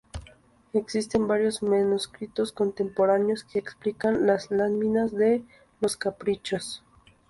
Existen varios manuscritos contemporáneos que explican las láminas de los "Caprichos".